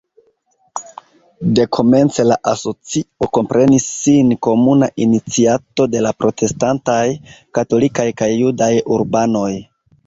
Dekomence la asocio komprenis sin komuna iniciato de la protestantaj, katolikaj kaj judaj urbanoj.